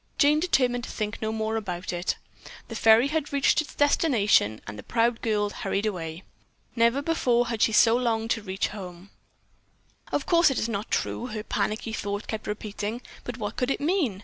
Jane determined to think no more about it. The ferry had reached its destination, and the proud girl hurried away. Never before had she so longed to reach her home. "Of course it is not true," her panicky thought kept repeating. "But what could it mean?